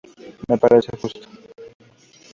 Me parece justo.